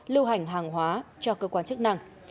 lưu hành hàng hóa cho cơ quan chức năng